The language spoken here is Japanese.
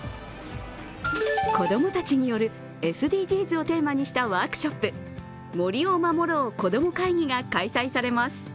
子供たちによるＳＤＧｓをテーマにしたワークショップ、「森を守ろう！子ども会議」が開催されます。